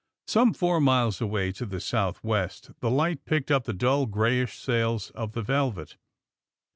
Some four miles away, to the southwest, the light picked up the dull, grayish sails of the '^Velvet."